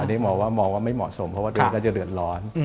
อันนี้มองว่ามองว่าไม่เหมาะสมเพราะว่าตัวเองก็จะเดือดร้อน